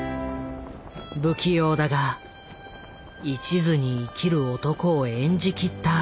不器用だがいちずに生きる男を演じ切った生涯だった。